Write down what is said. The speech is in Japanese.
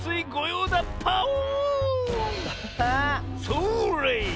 それ！